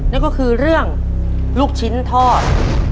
นั่นก็คือเรื่องลูกชิ้นทอด